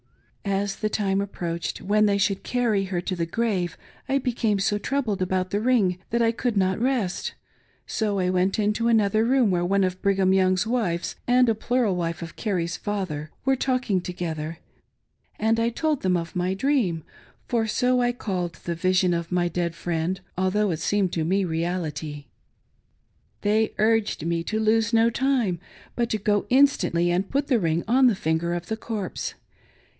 As the time approached when they should carry her to the grave, I became so troubled about the ring that I could not rest, so I went into another room where one of Brigham Young's' wives, and a plural wife of Carrie's father, were talking together ; and I told them of my dream ; for so I called the vision of my dead friend, although it seemed to me reality. They urged me to lose no time but to go instantly and put the ring on the finger of the corpse.